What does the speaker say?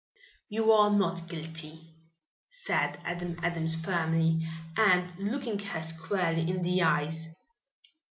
"You are not guilty," said Adam Adams firmly and looking her squarely in the eyes.